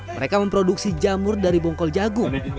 mereka memproduksi jamur dari bongkol jagung